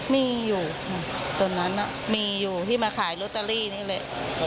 มีอยู่ตอนนั้นมีอยู่ที่มาขายลอตเตอรี่นี่แหละ